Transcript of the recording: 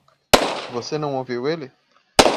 Você não ouviu ele?